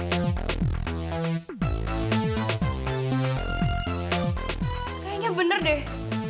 kayaknya bener deh